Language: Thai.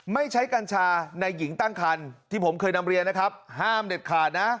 ไม่ใช้กัญชาในหญิงตั้งคันที่ผมเคยนำเรียนนะครับห้ามเด็ดขาดนะ